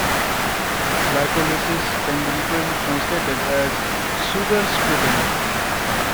Glycolysis can be literally translated as "sugar splitting".